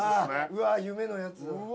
うわ夢のやつ。